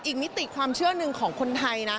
มิติความเชื่อหนึ่งของคนไทยนะ